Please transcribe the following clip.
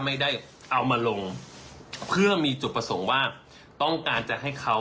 ไม่ได้เอามาลงเพื่อมีจุดประสงค์ว่าต้องการจะให้เขา